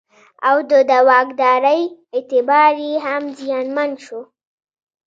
او د واکدارۍ اعتبار یې هم زیانمن شو.